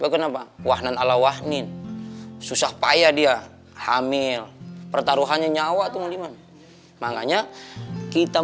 kenapa wahnan ala wahnin susah payah dia hamil pertaruhannya nyawa teman teman makanya kita